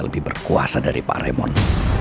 dan lebih berkuasa dari pak raymond